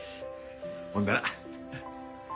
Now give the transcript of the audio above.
ほんなら。